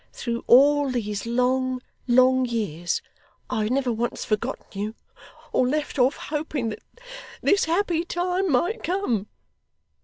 Through all these long, long years, I have never once forgotten you, or left off hoping that this happy time might come.